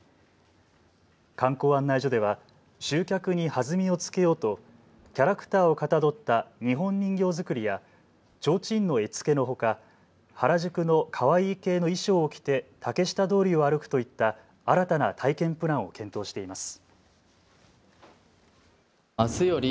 観光案内所では集客に弾みをつけようとキャラクターをかたどった日本人形作りやちょうちんの絵付けのほか原宿のカワイイ系の衣装を着て竹下通りを歩くといった新たな体験プランを検討しています。